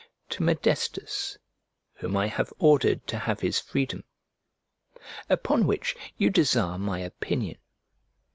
To Modestus, whom I have ordered to have his freedom": upon which you desire my opinion.